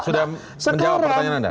sudah menjawab pertanyaan anda